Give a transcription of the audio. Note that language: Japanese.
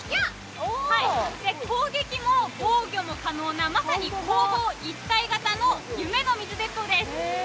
攻撃も防御も可能なまさに攻防一体型の夢の水鉄砲です。